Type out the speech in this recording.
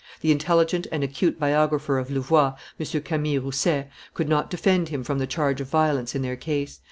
The intelligent and acute biographer of Louvois, M. Camille Rousset, could not defend him from the charge of violence in their case.